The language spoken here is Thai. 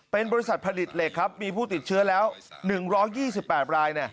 เป็นบริษัทผลิตเหล็กมีผู้ติดเชื้อ๑๒๘ราย